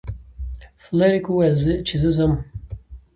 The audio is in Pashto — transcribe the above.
فلیریک وویل چې زه ځم.